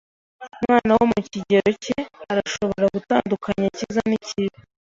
Umwana wo mu kigero cye arashobora gutandukanya icyiza n'ikibi?